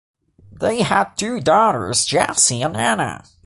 They had two daughters, Jessie and Anna.